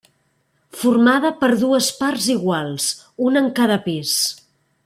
Formada per dues parts iguals, una en cada pis.